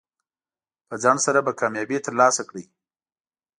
په ځنډ سره به کامیابي ترلاسه کړئ.